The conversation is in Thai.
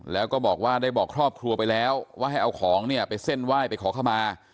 แล้วก็บอกว่าได้บอกครอบครัวไปแล้วว่าให้เอาของเนี่ยไปเส้นไหว้ไปขอเข้ามา